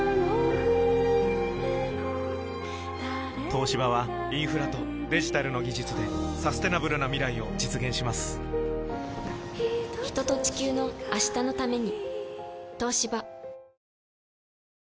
東芝はインフラとデジタルの技術でサステナブルな未来を実現します人と、地球の、明日のために。